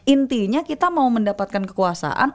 intinya kita mau mendapatkan kekuasaan